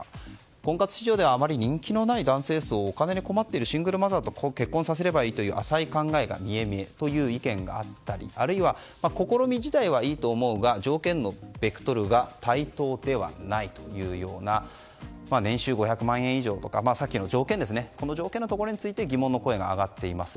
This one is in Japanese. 婚活市場ではあまり人気のない男性層をお金に困っているシングルマザーと結婚させればいいという浅い考えが見え見えという意見があったりあるいは試み自体はいいと思うが条件のベクトルが対等ではないというような年収５００万円以上とかこの条件のところに疑問が上がっています。